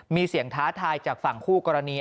มีเสียงท้าทายจากฝั่งคู่กรณี